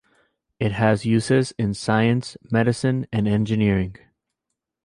It has uses in science, medicine, and engineering.